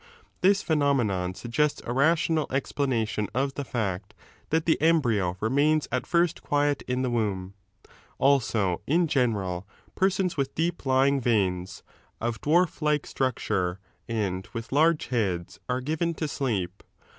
This phenomenon suggests a rational explanation of the fact that the 16 embryo remains at first quiet in the womb. Also, in general, persons with deep lying veins, of dwarf like I I I CHAP. m. FOOD AND SLEEP 227 structure, and with large heads, are given to sleep.